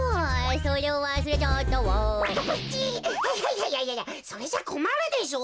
いやいやそれじゃこまるでしょ？